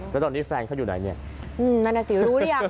แล้วตอนนี้แฟนเขาอยู่ไหนเนี่ยนั่นน่ะสิรู้หรือยัง